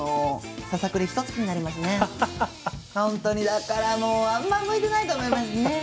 だからもうあんま向いてないと思いますね。